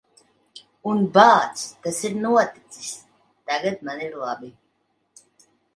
Un, bāc, tas ir noticis. Tagad man ir labi.